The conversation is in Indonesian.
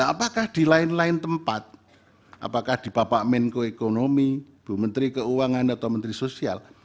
apakah di lain lain tempat apakah di bapak menko ekonomi bu menteri keuangan atau menteri sosial